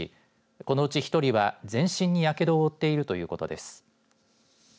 このうち１人は全身にやけどを負っているということです。